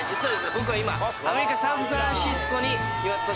僕は今アメリカサンフランシスコにいます。